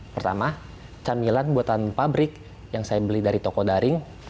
pertama camilan buatan pabrik yang saya beli dari toko daring